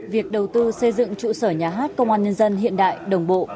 việc đầu tư xây dựng trụ sở nhà hát công an nhân dân hiện đại đồng bộ